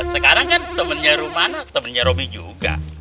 sekarang kan temennya rumana temennya robi juga